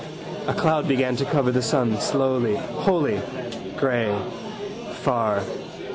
A cloud began to cover the sun slowly, wholly. Grey. Far.